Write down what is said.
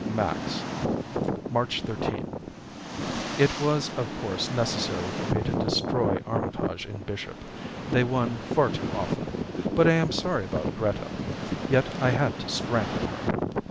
MAX March 13 It was, of course, necessary for me to destroy Armitage and Bishop. They won far too often. But I am sorry about Greta. Yet I had to strangle her.